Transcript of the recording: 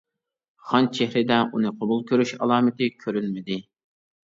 خان چېھرىدە ئۇنى قوبۇل كۆرۈش ئالامىتى كۆرۈنمىدى.